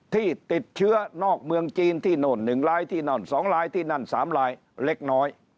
ที่ติดเชื้อนอกเมืองจีนที่โน่น๑รายที่นั่น๒ลายที่นั่น๓ลายเล็กน้อย